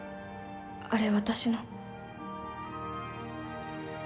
あれ私の。